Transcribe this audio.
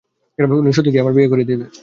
উনি সত্যিই কি আমার বিয়ে করিয়ে দিবে?